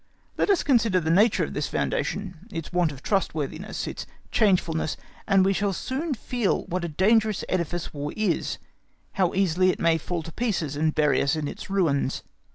Let us just consider the nature of this foundation, its want of trustworthiness, its changefulness, and we shall soon feel what a dangerous edifice War is, how easily it may fall to pieces and bury us in its ruins.